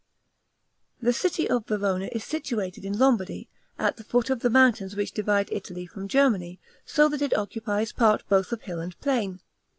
The city of Verona is situated in Lombardy, at the foot of the mountains which divide Italy from Germany, so that it occupies part both of hill and plain.